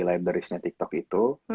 librariesnya tiktok itu